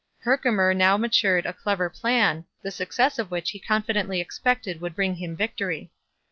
Herkimer now matured a clever plan, the success of which he confidently expected would bring him victory.